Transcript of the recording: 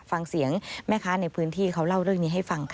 ฟังเสียงแม่ค้าในพื้นที่เขาเล่าเรื่องนี้ให้ฟังค่ะ